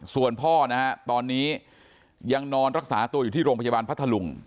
ส่วนพ่อนะฮะตอนนี้ยังนอนรักษาตัวอยู่ที่โรงพยาบาลพัทธลุง